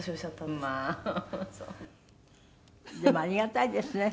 でもありがたいですね。